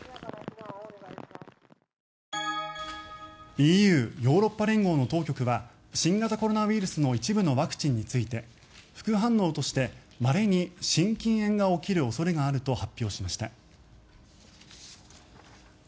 ＥＵ・ヨーロッパ連合の当局は新型コロナウイルスの一部のワクチンについて副反応としてまれに心筋炎が起きる恐れがあると発表しました。